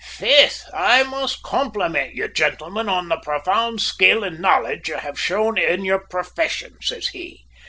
"`Faith, I must complimint you, jintlemin, on the profound skill an' knowledge you have shown in your profession,' says he.